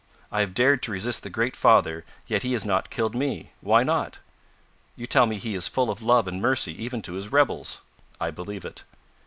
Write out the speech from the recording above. I have dared to resist the Great Father, yet He has not killed me. Why not? you tell me He is full of love and mercy even to His rebels! I believe it.